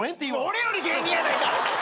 俺より芸人やないか！